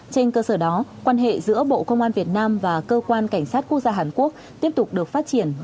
trên cơ sở đó quan hệ giữa bộ công an việt nam và cơ quan cảnh sát quốc gia hàn quốc tiếp tục được phát triển